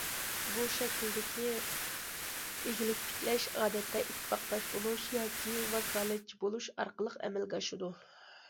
بۇ شەكىلدىكى ئىگىلىك تىكلەش ئادەتتە ئىتتىپاقداش بولۇش ياكى ۋاكالەتچى بولۇش ئارقىلىق ئەمەلگە ئاشىدۇ.